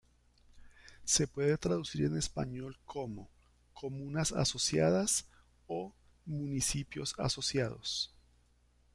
Se puede traducir en español como ""comunas asociadas"" o ""municipios asociados"".